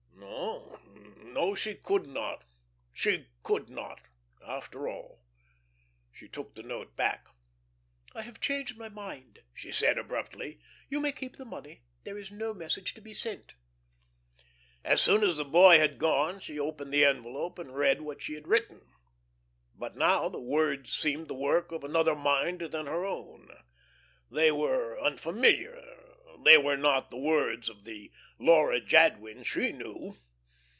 No, no, she could not, she could not, after all. She took the note back. "I have changed my mind," she said, abruptly. "You may keep the money. There is no message to be sent." As soon as the boy had gone she opened the envelope and read what she had written. But now the words seemed the work of another mind than her own. They were unfamiliar; they were not the words of the Laura Jadwin she knew.